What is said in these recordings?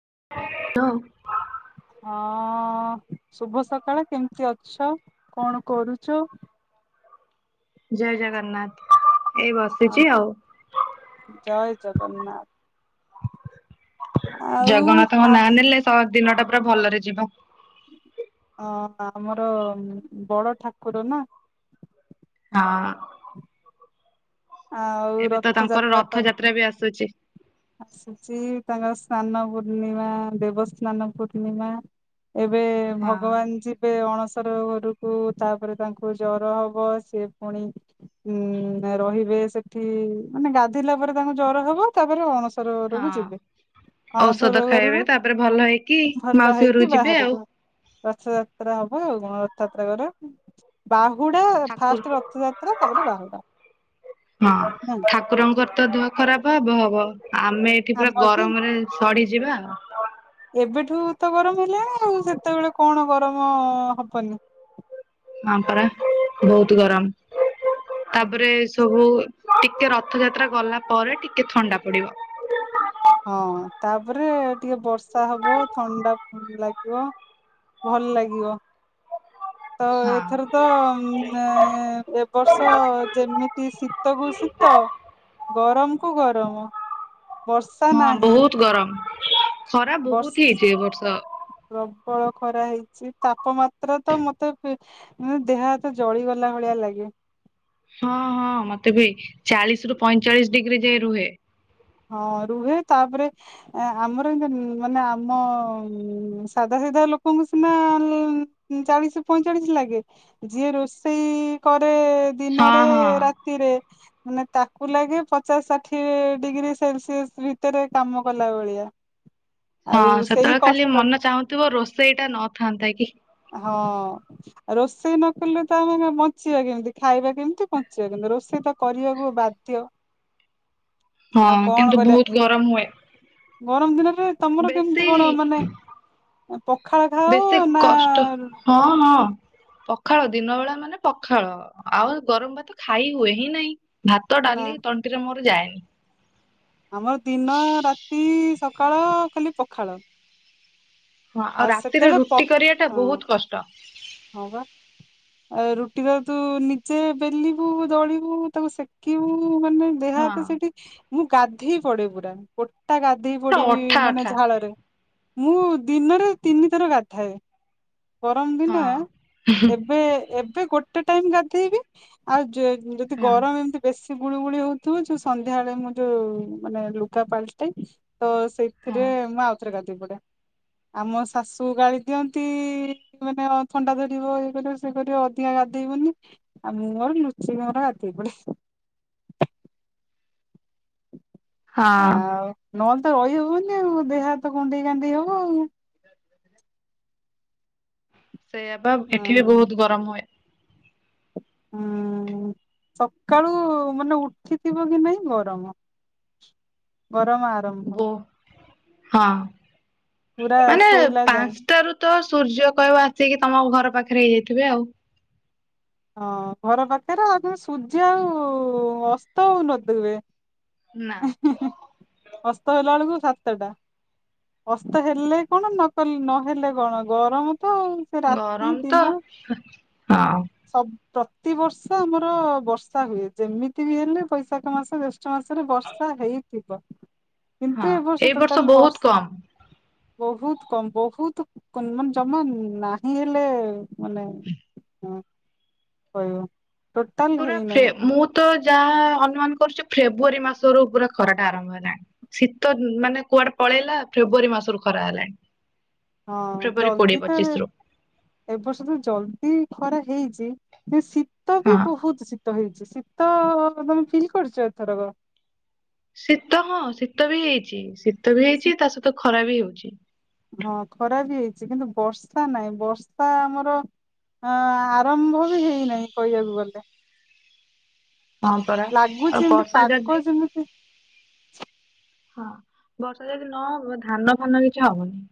[inaudible] ହଁ ଶୁଭ ସକାଳେ କେମିତି ଅଛ କଣ କରୁଛୁ? ଜୟ ଜଗନ୍ନାଥ ଏଇ ହଁ ବସିଛି ଆଉ। ଜୟ ଜଗନ୍ନାଥ। ଆଉ ଜଗନ୍ନାଥଙ୍କ ଆ ନାଁ ନେଲେ ଦିନ ଟା ପୁରା ଭଲରେ ଯିବ ଅ ଆମର ବଡ ଠାକୁର ନା। ହଁ। ଆଉ ଏବେ ତ ତାଙ୍କର ରଥଯାତ୍ରା ତ ରଥଯାତ୍ରା ବି ଆସୁଛି ଆସୁଛି ତାଙ୍କର ସ୍ନାନ ପୂର୍ଣ୍ଣିମା ଦେବସ୍ନାନ ପୂର୍ଣ୍ଣିମା ଏବେ ହଁ। ଭଗବାନ ଯିବେ ଅଣସ ର ଘରକୁ ତାପରେ ତାଙ୍କୁ ଜର ହବ ସେ ପୁଣି ଉୁଁ ରହିବେ ସେଠି ମାନେ ଗାଧୋଇଲା ପରେ ତାଙ୍କୁ ଜର ହବ ତାରେ ତର ହଁ ରହୁଛିିବ ଅଣସ ଔଷଧ ରୋଗରୁ ଖାଇବେ ତାପରେ ଭଲ ହେଇକି ଭଲ ମାଉସୀ ଘରକୁ ହେଇକି ଯିବେ ଆଉ। ବାହାରକୁ ରଥଯାତ୍ରା ହବ ଆଉ ରଥଯାତ୍ରା କର ବାହୁ ହୁଡା ଠାକୁର ଫାଷ୍ଟ ରଥଯାତ୍ରା ତାପରେ ବାହୁଡା ହଁ ହଁ ଠାକୁରଙ୍କର ତ ଦେହ ଖରାପ ହବ ହବ ଆମେ ଏଠି ପୁରା ଆମର ବି ଗରମରେ ସଢଯିବା ଆ ଏବେଠୁ ତ ଗରମ ହେଲା ଆଉ ସେତେବେଳେ କଣ ଗରମ ହବନି ହଁ ପରା ବହୁତ ଗରମ ତାପରେ ସବୁ ଟିକେ ରଥଯାତ୍ରା ଗଲା ପରେ ଟିକେ ଥଣ୍ଡା ପଡିବ। ହଁ ତାପରେ ଟିକେ ବର୍ଷା ହବ ଥଣ୍ଡା ଲାଗିବ ଭଲ ଲାଗିବ। ତ ହଁ। ଏଥର ତ ଉ ଏବ ବର୍ଷ ଯେମିତି ଶୀତକୁ ଶୀତ ତ ଗରମ କୁ ଗରମ ବର୍ଷା ହଁ ନାହିଁ ବହୁତ ଗରମ ଖରା ବହୁତ ହେଇଛି ଏ ବର୍ଷ। [unintelligible] ଖରା ହେଇଛି ତାପମାତ୍ରା ତ ମତେ ଦେହ ହାତ ଜଳିଗଲା ଭଳିଆ ଲାଗେ ହଁ ହଁ ମତେ ବି ଚାଳିଶି ରୁ ପଇଁଚାଳିଶୀ ଡିଗ୍ରୀ ଯାଇ ରୁହେ ହଁ ରୁହେ ତାପରେ ଆମର ଏ ମାନେ ଆମ ସାଧା ସାଧା ସିଧା ଲୋକଙ୍କୁ ସିନା ଚାଳିଶି ପଇଁଚାଳିଶି ଲାଗେ ଯିଏ ରୋଷେଇ କରେ ହଁ ଦିନରେ ହଁ ରାତିରେ ମାନେ ତାକୁ ଲାଗି ପଚାଶ ଷାଠିଏ ଡିଗ୍ରୀ ସେଲସିୟସ୍ ଭିତରେ କାମ କଲା ଭଳିଆ ହଁ ଆଉ ସେଇ ସେତେବେଳେ ଖାଲି କଷ୍ଟ ମନ ଚାହୁଁଥିବ ରୋଷେଇ ଟା ନଥାନ୍ତା କି? ହଁ ରୋଷେଇ ନ ଆମେ ବଞ୍ଚିବା କେମିତି ଖାଇବା କେମିତି ବଞ୍ଚିବା କେମିତି ରୋଷେଇ ତ କରିବାକୁ ବାଧ୍ୟ ହଁ ଆଉ କଣ କିନ୍ତୁ କରିବା ବହୁତ ଗରମ ହୁଏ। ଗରମ ଦିନରେ ତମର ବେଶୀ କେମିତି କଣ ମାନେ ପଖାଳ ବେଶୀ ଖାଅ ନା କଷ୍ଟ ହଁ ହଁ। ପଖାଳ ଦିନ ବେଳା ମାନେ ପଖାଳ ଆଉ ଗରମ ଭାତ ଖାଇ ହୁଏ ହିଁ ନାଇଁ? ଭାତ ନା ଡାଲି ତଣ୍ଟିରେ ମୋର ଯାଏନି। ଆମର ଦିନ ରାତି ସକାଳ ଖାଲି ପଖାଳ ହଁ ଆଉ ରାତିରେ ସେତେବେଳେ ପ ରୁଟି କରିବା ଟା ହଁ ବହୁତ କଷ୍ଟ। ହଁ ପା, ଆଉ ରୁଟି ତ ତୁ ନିଜେ ବେଲିବୁ ଦଳିବୁ ତାକୁ ସେକିବୁ ମାନେ ଦେହ ହାତ ସେଠି ହଁ ମୁଁ ଗାଧେଇ ପଡେ ପୁରା ତା ଗାଧେଇ ପଡିବି ଅଠା ମାନେ ଅଠା ଝାଳରେ ମୁଁ ଦିନରେ ତିନିଥର ଗାଧାଏ ହଁ ଦିନ ଏବେ ଏବେ ଗୋ ଗୋଟେ ଟାଇମ ଗାଧେଇବି ଆଉ ଯଦି ହଁ। ଗରମ ଏମିତି ବେଶୀ ଗୁଳୁ ଗୁଳି ହଉଥିବ ଯୋଉ ସନ୍ଧ୍ୟାବେଳେ ମୁଁ ଯୋଉ ମାନେ ଲୁଗା ପାଲଟେ ତ ସେଇଥିରେ ହଁ। ମୁଁ ଆଉଥରେ ଗା ଆମ ଶାଶୁ ଗାଳି ଦିଅନ୍ତି ମାନେ ଥଣ୍ଡା ଧରିବ ଇଏ କରିବ ସେ କରିବ ଅଧିକା ଗାଧେଇବନି ମୁଁ ମୋର ଲୁଚିିକି ମୋର ଗାଧେଇ ପଡେ। ହଁ। ଆଉ ନହେଲେ ତ ରହିହବନି ଆଉ ଦେହ ହାତ କୁଣ୍ଡେଇ କାଣ୍ଡେଇ ହବ ଆଉ ସେଇଆ ବା ଏଠି ବି ହଁ। ବହୁତ ଗରମ ହୁଏ। ହୁଁ, ସକାଳୁ ମାନେ ଉଠିଥିବ କି ନାଇଁ ଗରମ। ଗରମ ଆରମ୍ଭ, ବୋ ହଁ ପୁରା ମାନେ ଶୋଇଲା ଯାଏଁ ପାଞ୍ଚଟାରୁ ତ ସୂର୍ଯ୍ୟ କହିବ ଆସିକି ତମ ଘର ପାଖରେ ହେଇଯାଇଥିବେ ଆଉ ହଁ ଘର ପାଖରେ ଆଉ ତମ ସୂର୍ଯ୍ୟ ଆଉ ଅସ୍ତ ହଉ ନଥିବେ। ନା ଇଁ ହି ହି ଅସ୍ତ ହେଲା ବେଳକୁ ସାତ ଅସ୍ତ ହେଲେ କଣ ନକଲେ ନହେଲେ କଣ ଗରମ ତ ଆଉ ସେ ରାତି ଗରମ ତ ହଁ ପ୍ରତି ବର୍ଷ ଆମର ବର୍ଷା ହୁଏ ଯେମିତି ବି ହେଲେ ବୈଶାଖ ମାସ ଜ୍ୟେଷ ପାଞ୍ଚ ମାସରେ ବର୍ଷା ହେଇଥିବ। କିନ୍ତୁ ହଁ ଏବର୍ଷ ଏଇ ବର୍ଷ ଟୋଟାଲ ବହୁତ ବର୍ଷା କମ। ବହୁତ କମ ବହୁତ ମାନେ ଜମା ନାହିଁ ହେଲେ ମାନେ ହଁ କହିବ। ଟୋଟାଲ ପୁରା ଫ୍ରେ ହେଇନାହିଁ ମୁଁ ତ ଯାହା ଅନୁମାନ କରୁଛି ଫେବୃଆରୀ ମାସରୁ ପୁରା ଖରା ଟା ଆରମ୍ଭ ହେଲାଣି ଶୀତ ମାନେ କୁଆଡେ ପଳେଇଲା ଫେବୃଆରୀ ମାସରୁ ଖରା ହେଲାଣି। ହଁ ଫେବୃଆାରୀ କୋଡିଏ ଜଲଦି ତ ପଚିଶ ରୁ। ଏ ବର୍ଷ ତ ଜଲଦି ଖରା ହେଇଚି ଶୀତ ବି ହଁ ବହୁତ ଶୀତ ହେଇଚି ଶୀତ ତ ତମେ ଫିଲ୍ କରିଛ ଏଥରକ? ଶୀତ ହଁ ଶୀତ ବି ହେଇଚି ଶୀତ ବି ହେଇଚି ତା ସହିତ ଖରା ବି ହେଉଚି। ହଁ ଖରା ବି ହେଇଚି କିନ୍ତୁ ବର୍ଷା ନାହିଁ ବର୍ଷା ଆମର ଅଂ ଆଁ ଆରମ୍ଭ ବି ହେଇନାହିଁ କହିବାକୁ ଗଲେ। ହଁ ପରା ଲାଗୁଛି ଆଉ ଏମିତି ବର୍ଷା ପାଗ ଯଦି ଯେମିତି ହଁ ବର୍ଷା ଯଦି ନ ହବ ଧାନ ଫାନ କିଛି ହବନି।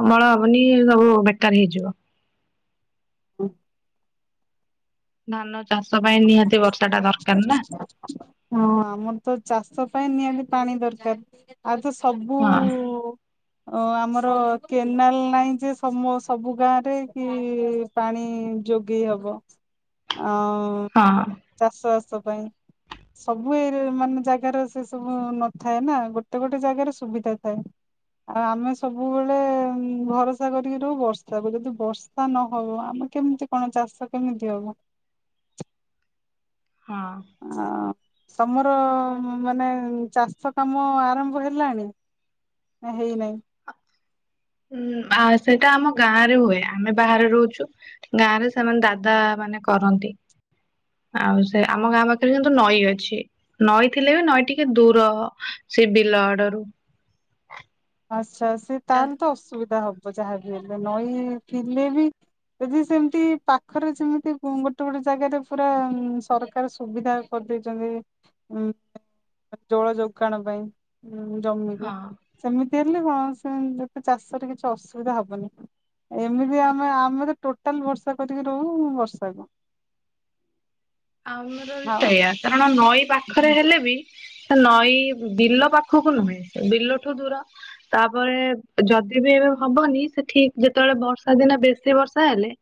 ଅମଳ ହବନି ସବୁ ବେକାର ହେଇଯିବ। ହୁ। ଧାନ। ଚାଷ ପାଇଁ ନିହାତି ବର୍ଷା ଟା ଦରକାର ନା ହଁ ଆମର ତ ଚାଷ ପାଇଁ ନିହାତି ପାଣି ଦରକାର ଆଉ ଯୋଉ ସବୁ ହଁ ଉ ଓ ଆମର କେନାଲ ନାହିଁ ଯେ ସବୁ ଗାଁ ରେ କି ପାଣିଇ ଯୋଗେଇ ହବ ଆଉଁ ହଁ। ସେଥି ପାଇଁ। ସବୁ ଏ ମାନେ ଜାଗାର ସେ ସବୁ ନଥାଏ ନା ଗୋଟେ ଗୋଟେ ଜାଗାରେ ସୁବିଧା ଥାଏ। ଆଉ ଆମେ ସବୁବେଳେ ଭରସା କରିକି ରହୁ ବର୍ଷାକୁ ଯଦି ବର୍ଷା ନହବ ଆମ। କେମିତି କଣ ଚାଷ କେମିତି ହବ। ହଁ। ଆ ତମର ମାନେ ଚାଷ କାମ ଆରମ୍ଭ ହେଲାଣି। ହେଇନାହିଁ। ହୁଁ ଆ ସେଇଟା ଆମ ଗାଁ ରେ ହୁଏ ଆମେ ବାହାରେ ରହୁଛୁ ଗାଁ ରେ ସେମାନେ ଦାଦା ମାନେ କରନ୍ତି। ଆଉ ସେ ଆମ ଗାଁ ପାଖରେ କିନ୍ତୁ ନଈ ଅଛି ନଈ ଥିଲେ ବି ନଈ ଟିକେ ଦୂର। ସେ ବିଲ ଆଡ଼ରୁ। ଆଚ୍ଛା ସେ ତାହେଲେ ତ ଅସୁବିଧା ହବ। ଯାହା ବି ହେଲେ ନଈ ଥିଲେ ବି। ଯଦି ସେମିତି ପାଖରେ ଯେମିତି ଗୋଟେ ଗୋଟେ ଜାଗାରେ ପୁରା ସରକାର ସୁବିଧା କର। ଦେଇଛନ୍ତି ଜଳ ଯୋଗାଣ ପାଇଁ ଜମିକୁ। ହଁ। ଏମିତି ହେଲେ କଣ ସେତେ ଚାଷରେ କିଛି ଅସୁବିଧା ହବନି। ଏମିତି ଆମେ ଆମେ ତ ଟୋଟାଲ ଭରସା କରିକି ରହୁ ବର୍ଷାକୁ। [unintelligible] ଆମର ବି ହଁ। ସେଇଆ କାରଣ ନଈ ପାଖରେ ହୁଁ, ହେଲେ ବି। ସେ ନଈ ବିଲ ପାଖକୁ ନୁହେଁ ବିଲଠୁ ଦୂର ତାପରେ ଯଦି। ବି ହବନି ସେ ଠିକ ଯେତେବେଳେ ବର୍ଷା ଦିନେ ବେଶୀ ବର୍ଷା ହେଲେ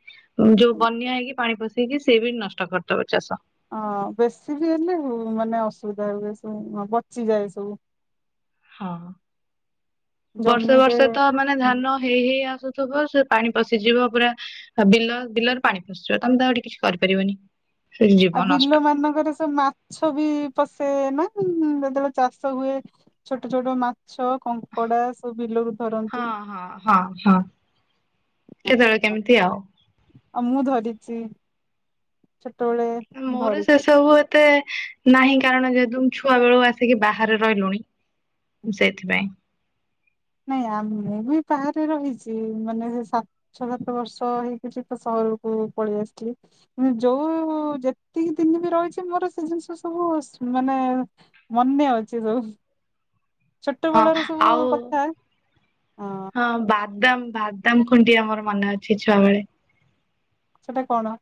ଯୋଉ ହୁଁ। ବନ୍ୟା ହେଇକି ପାଣି ପସିକି ସେ ବି ନଷ୍ଟ କରିଦବ ଚାଷ। ହଁ ବେଶୀ ବି ହେଲେ ହ ମାନେ ଅସୁବିଧା ହୁଏ ସବୁ ପଚିଯାଏ ସବୁ। ହଁ ବର୍ଷେ ଜମିରେ ବର୍ଷେ ତ ମାନେ ଧାନ ହେଇ ହେଇ ଆସୁ ଥିବ ସେ ପାଣି ପଶିଯିବ ପୁରା ବିଲ ବିଲରେ ପାଣି ପଶିଯିବ ତମେ ତ ଏଠି କିଛି କରିପାରିବନି। ସେ ଯିବ ଆଉ ନଷ୍ଟ। ବିଲ ମାନଙ୍କରେ ସବୁ ମାଛ ବି ପସେ ନା। ହୁଁ ହୁଁ ଯେତେବେଳେ ଚାଷ ହୁଏ ଛୋଟ ଛୋଟ ମାଛ। ମାଛ କଙ୍କଡା ସୁବୁ ବିଲରୁ ହଁ ଧରନ୍ତି। ହଁ। ହଁ ହଁ କେତେବେଳେ ଆଉ କେମିତି ଆଉ। ଛ [unintelligible] ମୋର ସେ ସବୁ ଏତେ। ନାହିଁ କାରଣ ଯେହେତୁ ଛୁଆ ବେଳକୁ ଆସିକି ବାହାରେ ରହିଲୁଣି। ସେଇଥିପାଇଁ। ନାଇଁ ଆମେ ବି ବାହାରେ ରହିଛି ମାନେ ସେ ସାତ ଛ ସାତ ବର୍ଷ ହେଇଜୀବ। ଘରକୁ ପଳେଇ ଆସିଥିଲି ଯୋଉ ଯେତିକି ଦିନ ବି ରହିଛି ମୋର ସେ ଜିନିଷ ସବୁ। ମାନେ ମନେ ଅଛି ସବୁ। ଛୋଟ ହଁ ବେଳର ସବୁ ଆଉ କଥା ହଁ ବା ଭଦାମ ଭଦାମ ଖୁଣ୍ଡି ଆମର ମନେ ଅଛି ଛୁଆବେେଳେ। ସେଟା କଣ?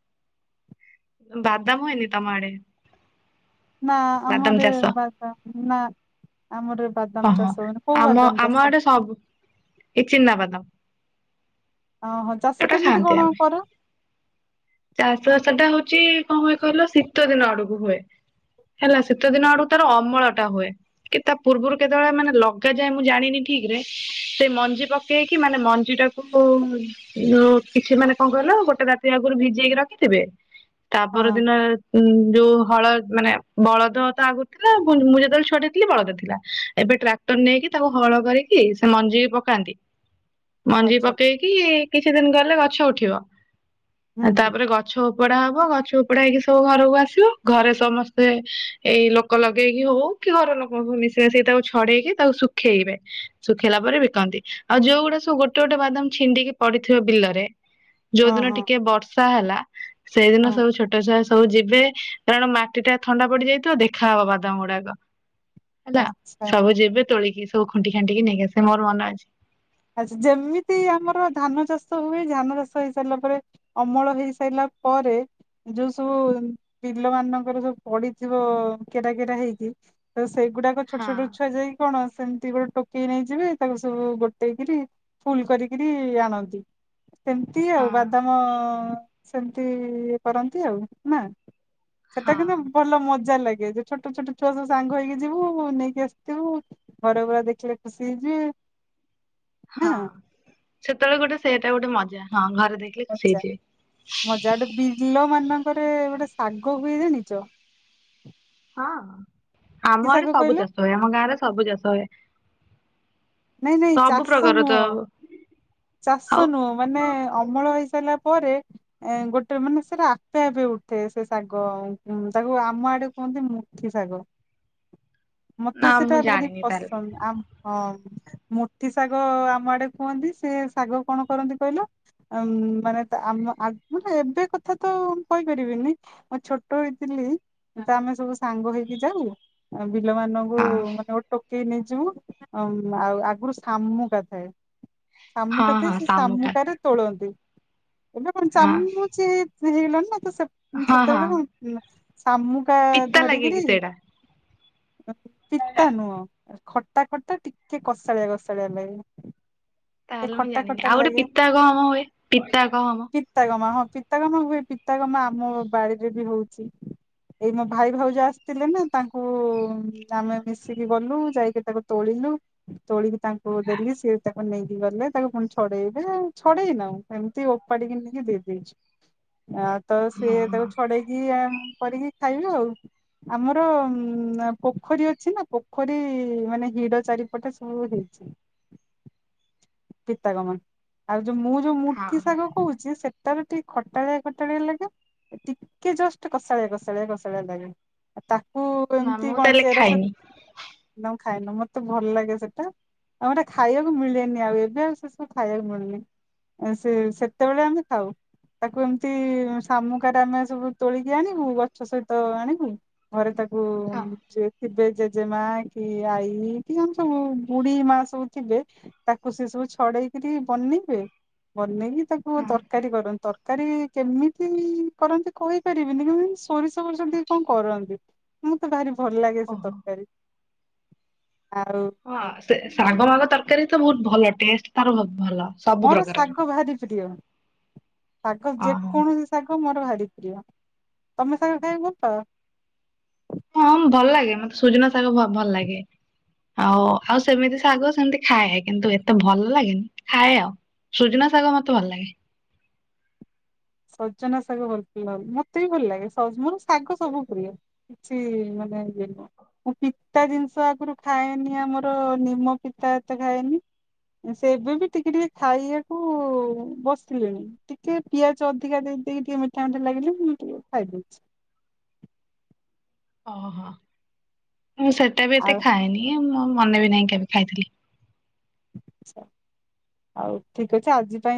ବାଦାମ ହୁଏ ନି ତମ ଆଡେ। ନା ବାଦାମ ଆମର ଚାଷ ବାଦାମ ନା। ଆମର ହଁ ବାଦାମ ହଁ ଚାଷ ହଉନି, କୋଉ ଆମ ବାଦାମ ଆମ ଚାଷ? ଆଡେ ସବୁ ଏ ଚିନାବାଦାମ ଓହୋ ଚାଷ ଏଟା କେମିତି ଥାଆନ୍ତି କଣ ଆମେ କର? ଚାଷ ବାଷଟା ହଉ [unintelligible] ଯେ କଣ କ କହିଲ ଶୀତ ଦିନ। ହୁଏ, ହେଲା ଶୀତେ ଦିନ ଆଡକୁ ତାର ଅମଳ ଟା ହୁଏ। କି ତା ପୂର୍ବରୁ କେତେବେଳେ ମାନେ ଲଗାଯାଏ ମୁଁ ଜାଣିନି ଠିକ୍ ରେ ସେ ମଞ୍ଜି ପକେଇକି ମାନେ ମଞ୍ଜିଟାକୁ। କିଛି ମାନେ କଣ କହିଲ, ଗୋଟେ ରାତି ଆଗରୁ ଭିଜିେଇକି ରଖିଥିବେ। ତାପ ହଁ ଦିନ ଉ ଯୋଉ ହଳ ମାନେ ବଳଦ ତ ଆଗରୁ ଥିଲା ମୁଁ ଯେତେବେଳେ ଛୁଆଟି ଥିଲି ବଳଦ ଥିଲା। ଏବେ ଟ୍ରାକ୍ଟର ନେଇକି ତାକୁ ହଳ କରିକି ସେ ମଞ୍ଜି ପକାନ୍ତି। ମଞ୍ଜି ଆଚ୍ଛା ପକେଇକି କିଛି ଦିନ ଗଲେ ଗଛ ଉଠିବ। ହୁଁ ହୁଁ ତାପରେ ଗଛ ଉପଡା ହବ ଗଛ ଉପଡ଼ା ହେକି ସବୁ ଘରକୁ ଆସିବ ଘରେ ସମସ୍ତେ ଏଇ ଲୋକ ଲଗେଇକି ହଉ ଘର ଲୋକଙ୍କୁ ମିଶିବା ସେଇଟା ହଉଚି ଛଡେଇକି ତାକୁ ଶୁଖେଇବେ। ଶୁଖେଇଲା ପରେ ବିକନ୍ତି ଆଉ ଯୋଉ ଗୁଡା ସବୁ ଗୋଟେ ଗୋଟେ ବାଦାମ ଛିିଣ୍ଡି ପଡି ହୋଇଥିବା ବିଲରେ ଯୋଉ ହଁ ଦିନ ହଁ ଟିକେ ବର୍ଷା ହେଲା, ସେଇ ଦିନ ହଁ ସବୁ ଛୋଟ ଛୁଆ ସବୁ ଯେ ବେ କାରଣ ମାଟି ଟା ଥଣ୍ଡା ପଡିଯାଇଥିବ ଦେଖାହବ ବାଦାମ ଗୁଡାକ। ହେଲା ଆଛ ସବୁ ଯିବେ ତୋଳିକି ସବୁ ଖୁଣ୍ଟି ଖାଣ୍ଟିକି ନେଇକି ଆସେ ମୋର ମନେ ଅଛି। ଆଚ୍ଛା ଯେମିତି ଆମର ଧାନ ଚାଷ ହୁଏ। ଧାନ ଚାଷ ହେଇସାରିଲା ପରେ ଅମଳ ହେଇସାଇଲା ପରେ ଯୋଉ ସବୁ ଵିଲ ମାନଙ୍କର ସବୁ ପଡିଥିବ କେରା କେରା ହେଇକି ତ ସେଇଗୁଡାକ ଛୋଟ ହଁ ଛୋଟ ଛୁଆ ଯାଇ କଣ ସେମିତି ଗୋଟେ ଟୋକେଇ ନେଇଯିବେ। ତାକୁ ସବୁ ଗୋ ଟେଇକିରି ଫୁଲ୍ କରିକିରି ଆଣନ୍ତି। ସେମତି ହଁ ଆଉ ବାଦାମ ସେମିତି କରନ୍ତି ଆଉ ନା? ସେଟା ହଁ କିନ୍ତୁ ଭଲ ମଜା ଲାଗ ଗେ ଯେ ଛୋଟ ଛୋଟ ଛୁଆ ସବୁ ସାଙ୍ଗ ହେଇକି ଯିବୁ ନେଇକି ଆସିଥିବୁ। ଘର ପୁରା ଦେଖିଲେ ଖୁସି ହେଇଯିବେ। ନା ହଁ, ସେତେବେଳେ ଗୋଟେ ସେଇଟା ଗୋଟେ ମଜା। ହଁ ଘରେ ଦେଖିଲେ ଖୁସି ମଜା ହେଇଯିବେ। ମଜା ଗୋଟେ ବିଲ ମାନ କରେ ଗୋଟେ ଶାଗ ହୁଏ ଜାଣିଚ? ହଁ, ଆମ ଆଡେ ସବୁ କହିଲ ଚାଷ ହୁଏ। ଆମ ଗାଁ ରେ ସବୁ ଚାଷ ହଏ। ନାଇଁ ନାଇଁ ଚାଷ ପ୍ରକାର ତ ନୁହଁ। ଚାଷ ଆଉ ନୁହଁ। ମାନେ ଅମଳ ହେଇସାରିଲା ପରେ ଏ ଗୋଟେ ମାନେ ସେଟା ଆପେ ଆପେ ଉଠେ ସେ ଶାଗ। ଉଁ, ତାକୁ ଆମ ଆଡେ କୁହନ୍ତି ମୁଠି ଶାଗ। ନା ମୋତେ ମୁଁ ସେଟା ଭାରି ଜାଣିନି ତାହେଲେ ପସନ୍ଦ। ଆ, ହଁ। ମୁଠି ଶାଗ ଆମ ଆଡେ କୁହନ୍ତି ସେ ଶାଗ କଣ କରନ୍ତି କହିଲ? ଆମ ଉଁ, ମାନେ ଆଗ୍ ଏବେ କଥା ତ କହିପାରିବିନି। ମୁଁ ଛୋଟ ହେଇଥିଲି ତ ଆମେ ସବୁ ସାଙ୍ଗ ହେଇକି ଯାଉ। ଅ, ବିଲ ମାନଙ୍କୁ ହଁ ମାନେ ଗୋଟେ ଟ କେଇ ନେଇଯିବୁ ଆଉଁ ଆଉ ଆଗରୁ ସାମୁକା ଥାଏ। ହଁ ଶାମୁକା ଥାଏ ହଁ ସେ ଶାମୁକା ଶାମୁକାରେ ତୋଳନ୍ତି। ଏବେ କଣ ହଁ ଚାମୁଚି ହେଇଗଲାଣି ନା ତ ହଁ ହଁ ସେତେବେଳେ କଣ ଉଁ, ଶାମୁକା ପିତା ଲାଗେ ଧରିକିରି କି ସେଇଟା ପିତା ନୁହଁ, ଖଟା ଖଟା ଟିକେ କଷାଳିଆ କଷାଳିଆ ଲାଗେ। ଏ ତାହେଲେ ମୁଁ ଖଟା ଜାଣିନି ଖଟା ଆଉ ଗୋଟେ ଲାଗେ। ପିତା ଗହମ ହୁଏ ପିତା ଗହମ ପିତା ଗମା ହଁ ପିତାଗମା ହୁଏ ପିତାଗମା ଆମ ବାଡିରେ ବି ହଉଛି। ଏଇ ମୋ ଭାଇ ଭାଉଜ ଆସିଥିଲେ ନା। ତାଙ୍କୁ ଆମେ ମିଶିକି ଗଲୁ ଯାଇକି ତାକୁ ତୋଳି ଲୁ ତୋଳିକି ତାଙ୍କୁ ଦେଲି ସିଏ ତାକୁ ନେଇକି ଗଲେ ତାକୁ ପୁଣି ଛଡେଇବେ ଛଡେଇନାହୁଁ। ଏମିତି ଓପାଡି କି ନେଇିକି ଦେଇ ଦେଇଛୁ। ଆ ତ ହଁ ସିଏ ତାକୁ ହଁ ଛଡ଼େଇକି ଏମ୍ କରିକି ଖାଇବେ ଆଉ। ଆମର ଉଁ, ଆ, ପୋଖରୀ ଅଛି ନା। ପୋଖରୀ ମାନେ ହିଡ଼ ଚାରିପଟେ ସବୁ ହେଇ [inaudible] ପିତାଗମା, ଆଉ ଯୋଉ ମୁଁ ଯୋଉ ମୁଠି ହଁ ଶାଗ କହୁଚି ସେ ତାର ଠି ଖଟାଳିଆ ଖଟାଳିଆ ଲାଗେ। ଟିକେ ଜଷ୍ଟ କଷାଳିଆ କଷାଳିଆ କଷାଳିଆ ଲାଗେ। ତାକୁ ନା ଏମତି ମୁଁ କଣ ତାହେଲେ ଚେର ସ ଖାଇନି ନାଉ ଖାଇନ, ମୋତେ ଭଲ ଲାଗେ ସେଟା। ଆମର ଖାଇବାକୁ ମିଳେ ନି, ଆଉ ଏବେ ଆଉ ସେ ସବୁ ଖାଇବାକୁ ମିଳୁନି। ଏଁ, ସେ ସେତେବେଳେ ଆମେ ଖାଉ। ତାକୁ ଏମିତି ଶାମୁକାରେ ଆମେ ସବୁ ତୋଳିକି ଆଣିବୁ। ଗଛ ସହିତ ଆଣିବୁ। ଘରେ ତାକ କୁ ହଁ ସିଏ ଥିବେ ଜେଜେମା କି ଆଈ କି ଆମେ ସବୁ ବୁଢ଼ୀ ମା ସବୁ ଥିବେ ତାକ କୁ ସେସବୁ ଛଡ଼େଇକିରି ବନେଇବେ। ବନେଇକି ତାକୁ ହଁ ତରକାରୀ କରନ୍ତି। ତରକ କାରୀ କେମିତି କରନ୍ତି କହିପାରିବିନି। କିନ୍ତୁ ସୋରିଷ ଫୋରିଷ ଦେଇ କଣ କରନ୍ତି। ମୋତେ ଭାରି ଭଲ ଲାଗେ ସେ ଓହୋ। ତରକାରୀ। ଆଉ ହଁ ସେ ଶାଗ ମାଗ ତରକାରୀ ତ ବହୁତ ଭଲ। ଟେଷ୍ଟ ତାର ବହୁତ ଭଲ। ସବୁ ମୋର ପ୍ରକାରର ଶାଗ ଭାରି ପ୍ରିୟ। ଶାଗ ଓହୋ ଯେକୌଣସି ଶାଗ ମୋର ଭାରି ପ୍ରିୟ, ତୋମେ ସାଙ୍ଗ ଖାଇବା କୁ ଭଲ ପାଅ? ହଁ ଭଲ ଲାଗେ ମତେ ସଜନା ଶାଗ ଭଲ ଲାଗେ ହଉ ଆଉ ସେମିତି ଶାଗ ସେମିତି ଖାଏ, କିନ୍ତୁ ଏତେ ଭଲ ଲାଗେନି ଖାଏ ଆଉ ସଜନା ଶାଗ ମତେ ଭଲ ଲାଗେ। ସଜନା ଶାଗ ଭଲ ମତେ ବି ଭଲ ଲାଗେ ମୋର ଶାଗ ସବୁ ପ୍ରିୟ [unintelligible] ମୁଁ ପିତା ଜିନିଷ ଆଗରୁ ଖାଏନି ଆମର ନିମ ପିତା ଏତେ ଖାଏନି ସେ ଏବେ ବି ଟିକେ ଟିକେ ଖାଇବାକୁ ବସିଲେଣି ଟିକେ ପିଆଜ ଅଧିକା ଦେଇ ଦେଇକି ଟିକେ ମିଠା ମିଠା ଲାଗିଲେ, ମୁଁ ଟିକେ ଖାଇଦଉଛି। ଓହୋ, ମୁଁ ସେଟା ବି ଏତେ ଆଉ ଖାଏନି ମୁଁ ମନେ ବି ନାହିଁ କେବେ ଖାଇଥିଲି। ଆଚ୍ଛା ଠିକ ଅଛି ଆଜି ପାଇଁ